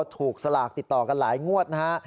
สลากติดต่อกันหลายงวดนะฮะ